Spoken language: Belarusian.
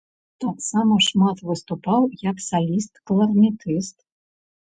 Таксама шмат выступаў як саліст-кларнетыст.